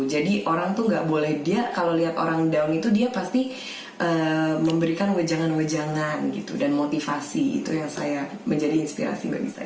jadi orang tuh gak boleh dia kalau lihat orang down itu dia pasti memberikan wejangan wejangan gitu dan motivasi itu yang saya menjadi inspirasi bagi saya